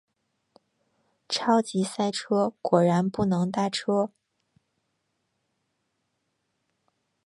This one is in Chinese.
超级塞车，果然不能搭车